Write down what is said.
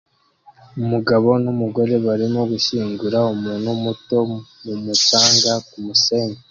Umugabo numugore barimo gushyingura umuntu muto mumucanga kumusenyi